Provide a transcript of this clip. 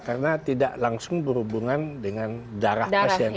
karena tidak langsung berhubungan dengan darah pasien